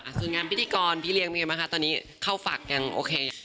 ส่วนงานพิธีกรพี่เลี้ยงเป็นไงบ้างคะตอนนี้เข้าฝักยังโอเค